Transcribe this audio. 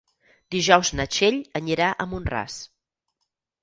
Dijous na Txell anirà a Mont-ras.